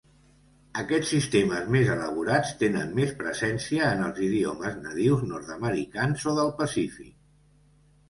Aquests sistemes més elaborats tenen més presència en els idiomes nadius nord-americans o del Pacífic.